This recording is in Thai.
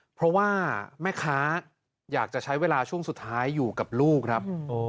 เพราะว่าแม่ค้าอยากจะใช้เวลาช่วงสุดท้ายอยู่กับลูกครับ